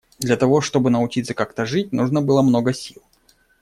Для того чтобы научиться как-то жить, нужно было много сил.